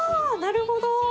なるほど。